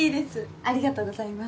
ありがとうございます。